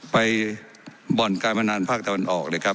บ่อนการพนันภาคตะวันออกเลยครับ